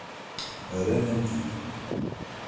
Rran-am-t-id.